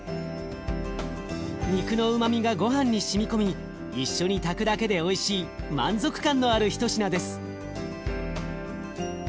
肉のうまみがごはんにしみ込み一緒に炊くだけでおいしい満足感のある一品です。